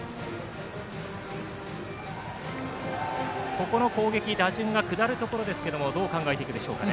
ここの攻撃打順が下るところですけどどう考えていくべきでしょうかね。